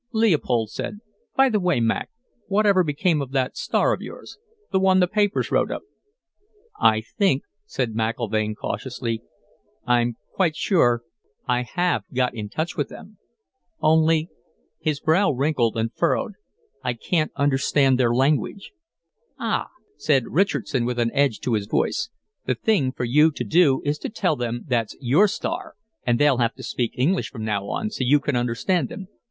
Leopold said, "By the way, Mac, whatever became of that star of yours? The one the papers wrote up." "I think," said McIlvaine cautiously, "I'm quite sure I have got in touch with them. Only," his brow wrinkled and furrowed, "I can't understand their language." "Ah," said Richardson with an edge to his voice, "the thing for you to do is to tell them that's your star, and they'll have to speak English from now on, so you can understand them.